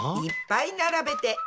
いっぱい並べて。